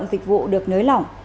dịch vụ được nới lỏng